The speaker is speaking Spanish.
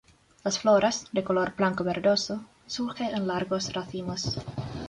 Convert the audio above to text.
Las flores, de color blanco verdoso, surgen en largos racimos.